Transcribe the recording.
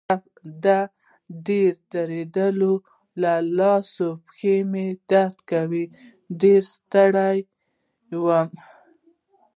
د ډېرې درېدو له لاسه مې پښې درد کاوه، ډېر ستړی وم.